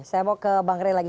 saya mau ke bang ray lagi